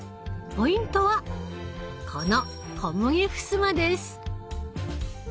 ポイントはこの小麦ふすまです。